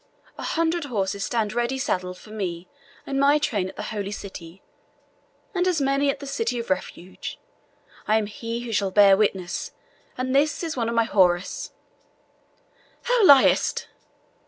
A hundred horses stand ready saddled for me and my train at the Holy City, and as many at the City of Refuge. I am he who shall bear witness, and this is one of my houris." "Thou liest!"